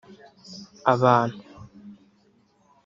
Abantu